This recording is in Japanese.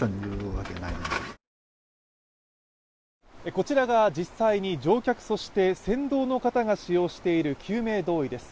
こちらが実際に乗客そして船頭の方が使用している救命胴衣です。